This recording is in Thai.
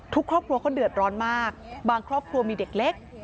ครอบครัวเขาเดือดร้อนมากบางครอบครัวมีเด็กเล็ก